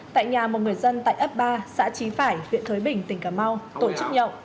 tại nhà một người dân tại ấp ba xã trí phải huyện thới bình tỉnh cà mau tổ chức nhậu